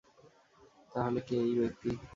তাহলে, কে এই ব্যক্তি?